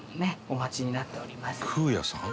お待ちになっております。